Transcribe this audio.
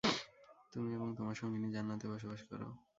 তুমি এবং তোমার সঙ্গিনী জান্নাতে বসবাস কর।